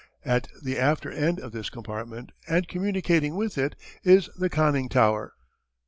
At the after end of this compartment, and communicating with it, is the conning tower.